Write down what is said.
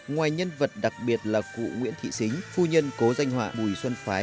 ngoài nhân vật đặc biệt là cụ nguyễn thị xính phu nhân cố danh họa bùi xuân phái